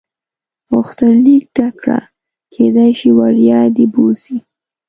غوښتنلیک ډک کړه کېدای شي وړیا دې بوځي.